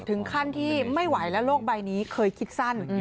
ถึงขั้นที่ไม่ไหวแล้วโลกใบนี้เคยคิดสั้น